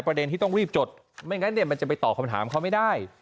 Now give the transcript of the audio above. ประเด็นที่ต้องรีบจดไม่งั้นเนี่ยมันจะไปตอบคำถามเขาไม่ได้